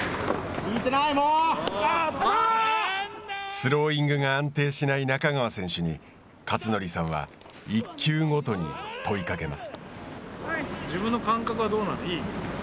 スローイングが安定しない中川選手に克則さんは１球ごとに問いかけます。